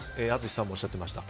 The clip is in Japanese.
淳さんがおっしゃってました。